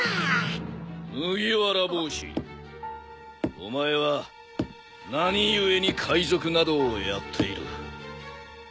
お前は何故に海賊などをやっている？